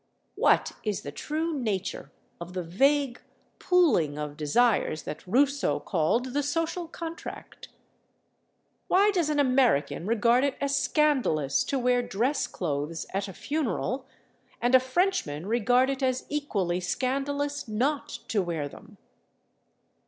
What is the true nature of the vague pooling of desires that Rousseau called the social contract? Why does an American regard it as scandalous to wear dress clothes at a funeral, and a Frenchman regard it as equally scandalous not to wear them?